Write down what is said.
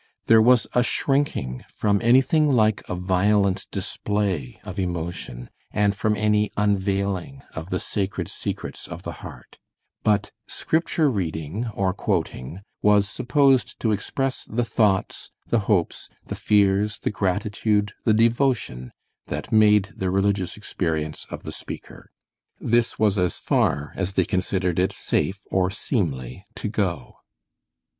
There was a shrinking from anything like a violent display of emotion, and from any unveiling of the sacred secrets of the heart, but Scripture reading or quoting was supposed to express the thoughts, the hopes, the fears, the gratitude, the devotion, that made the religious experience of the speaker. This was as far as they considered it safe or seemly to go.